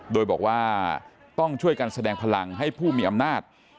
โดยบอกว่าต้องช่วยกันแสดงพลังให้ผู้มีอำนาจ